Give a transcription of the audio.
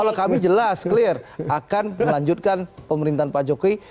kalau kami jelas clear akan melanjutkan pemerintahan pak jokowi